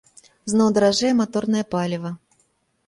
Зноў даражэе маторнае паліва.